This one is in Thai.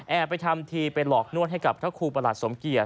ไปทำทีไปหลอกนวดให้กับพระครูประหลัดสมเกียจ